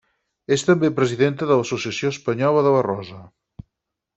És també presidenta de l'Associació Espanyola de la Rosa.